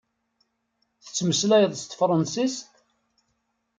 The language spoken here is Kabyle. Tettmeslayeḍ s tefransist?